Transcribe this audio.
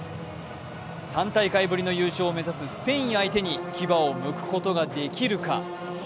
３大会ぶりの優勝を目指すスペイン相手に牙をむくことができるか。